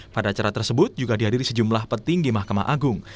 pada acara tersebut juga dihadiri sejumlah petinggi mahkamah agung